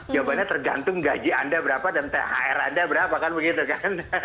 jawabannya tergantung gaji anda berapa dan thr anda berapa kan begitu kan